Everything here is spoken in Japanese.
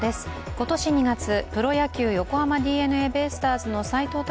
今年２月プロ野球横浜ＤｅＮＡベイスターズの斎藤隆